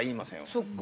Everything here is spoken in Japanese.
そっか。